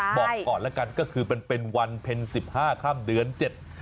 หมอก่อนก็คือเป็นวันพนธ์สิบห้าคำเดือนเจ็ด